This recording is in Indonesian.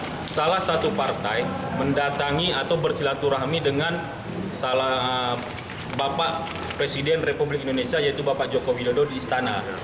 saya salah satu partai mendatangi atau bersilaturahmi dengan salah bapak presiden republik indonesia yaitu bapak joko widodo di istana